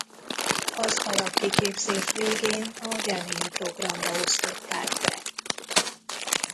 Az alapkiképzés végén a Gemini-programba osztották be.